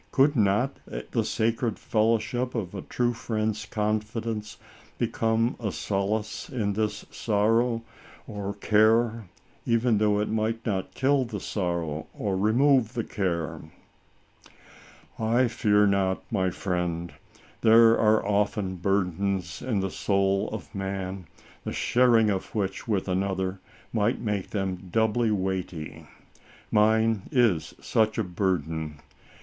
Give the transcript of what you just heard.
Could not the sacred fellowship of a true friend's confidence become a solace in this sorrow or care, even though it might not kill the sorrow or remove the care ?"" I fear not, my friend. There are often 72 ALICE ; OR, THE WAGES OF SIN. burdens in the soul of man, the sharing of which with another, might make them doubly weighty. Mine is such a burden.